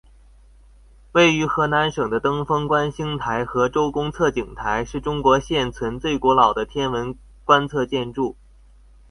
位于河南省的登封观星台和周公测景台是中国现存最古老的天文观测建筑。